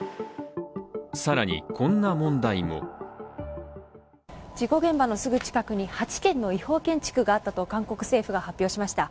更に、こんな問題も事故現場のすぐ近くに８軒の違法建築があったと韓国政府が発表しました。